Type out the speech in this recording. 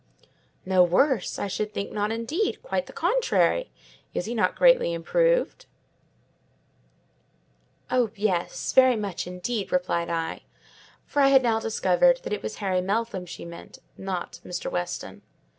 "No worse! I should think not indeed—quite the contrary! Is he not greatly improved?" "Oh, yes; very much indeed," replied I; for I had now discovered that it was Harry Meltham she meant, not Mr. Weston.